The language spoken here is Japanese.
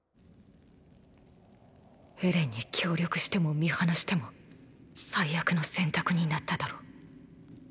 エレンに協力しても見放しても最悪の選択になっただろう。